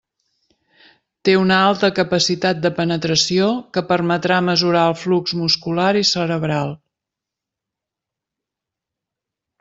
Té una alta capacitat de penetració que permetrà mesurar el flux muscular i cerebral.